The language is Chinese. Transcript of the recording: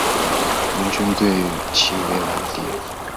盟军对其为兰迪。